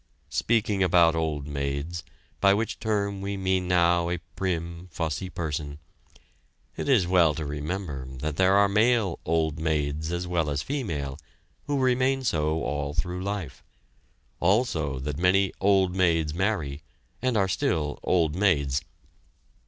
Speaking about "old maids," by which term we mean now a prim, fussy person, it is well to remember that there are male "old maids" as well as female who remain so all through life; also that many "old maids" marry, and are still old maids.